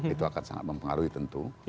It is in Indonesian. itu akan sangat mempengaruhi tentu